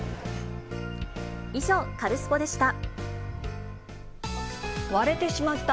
以上、カルスポっ！でした。